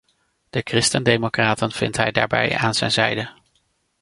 De christendemocraten vindt hij daarbij aan zijn zijde.